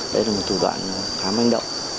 đây là một thủ đoạn khá manh động